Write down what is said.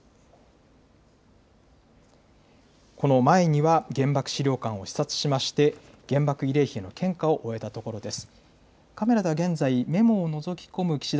この前には原爆資料館を視察して原爆慰霊碑の献花を終えたところです。